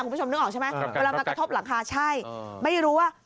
คุณผู้ชมนึกออกใช่ไหมเวลามากระทบหลังคาใช่ไม่รู้ว่า